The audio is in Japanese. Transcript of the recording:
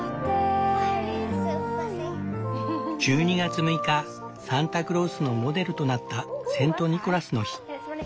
１２月６日サンタクロースのモデルとなったセント・ニコラスの日。